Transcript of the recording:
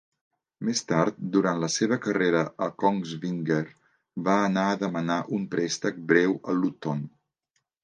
Més tard, durant la seva carrera a Kongsvinger, va anar a demanar un préstec breu a Luton.